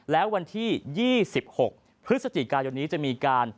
แล้ววันที่๒๖พฤศจิกายนนี้จะมีการ